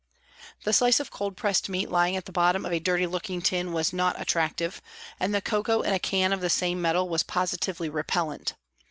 The slice of cold pressed meat lying at the bottom of a dirty looking tin was not attrac tive, and the cocoa in a can of the same metal was positively repellent.